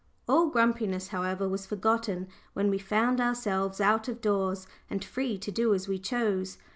All grumpiness, however, was forgotten when we found ourselves out of doors, and free to do as we chose.